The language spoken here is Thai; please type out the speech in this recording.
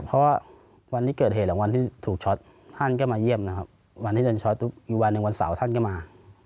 เพราะว่าวันที่เกิดเหตุหลังวันที่ถูกช็อตท่านก็มาเยี่ยมนะครับวันที่เดินช็อตอยู่วันหนึ่งวันเสาร์ท่านก็มา